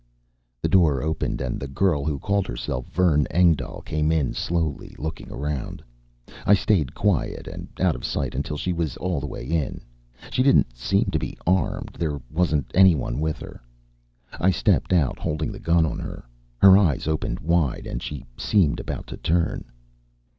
The door opened and the girl who called herself Vern Engdahl came in slowly, looking around. I stayed quiet and out of sight until she was all the way in. She didn't seem to be armed; there wasn't anyone with her. I stepped out, holding the gun on her. Her eyes opened wide and she seemed about to turn.